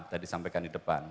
tadi sampaikan di depan